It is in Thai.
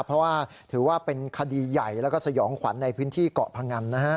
เพราะว่าถือว่าเป็นคดีใหญ่แล้วก็สยองขวัญในพื้นที่เกาะพงันนะฮะ